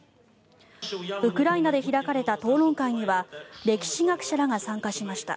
ウクライナで開かれた討論会には歴史学者らが参加しました。